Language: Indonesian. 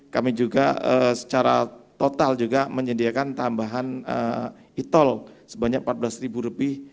kami juga secara total juga menyediakan tambahan e tol sebanyak rp empat belas